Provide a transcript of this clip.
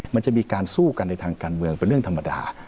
มันจะมีการสู้กันในทางการเมืองเป็นเรื่องธรรมดา